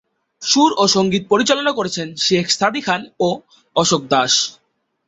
সুর ও সংগীত পরিচালনা করেছেন শেখ সাদী খান ও অশোক দাস।